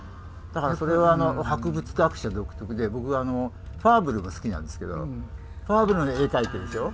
だからそれは博物学者独特で僕はファーブルが好きなんですけどファーブルも絵描いてるでしょ。